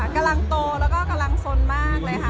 กำลังโตแล้วก็กำลังสนมากเลยค่ะ